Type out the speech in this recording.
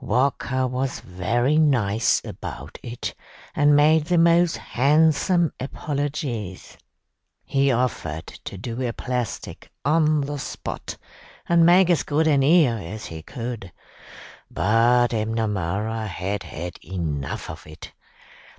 Walker was very nice about it, and made the most handsome apologies. He offered to do a plastic on the spot, and make as good an ear as he could, but M'Namara had had enough of it.